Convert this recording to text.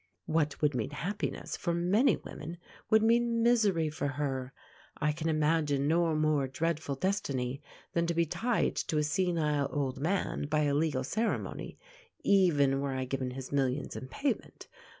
What would mean happiness for many women would mean misery for her. I can imagine no more dreadful destiny than to be tied to a senile old man by a legal ceremony, even were I given his millions in payment.